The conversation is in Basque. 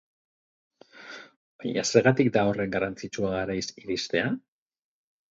Baina zergatik da horren garrantzitsua garaiz iristea?